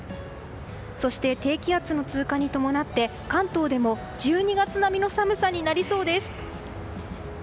そして、低気圧の通過に伴って関東でも１２月並みの寒さになりそうです。